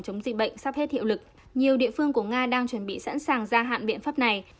chống dịch bệnh sắp hết hiệu lực nhiều địa phương của nga đang chuẩn bị sẵn sàng gia hạn biện pháp này